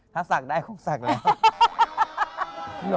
ถ้าสักได้คงสักแล้ว